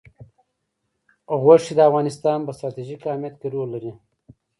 غوښې د افغانستان په ستراتیژیک اهمیت کې رول لري.